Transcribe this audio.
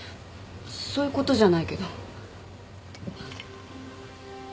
そういうことじゃないけど。